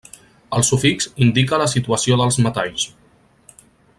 El sufix indica la situació dels metalls.